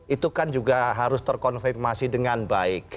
itu kan juga harus terkonfirmasi dengan baik